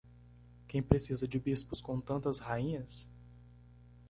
Quem precisa de bispos com tantas rainhas?